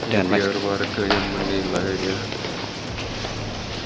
dan mas gibran juga mencoba mencoba mencoba